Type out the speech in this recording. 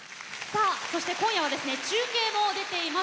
今夜は中継も出ています。